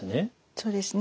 そうですね。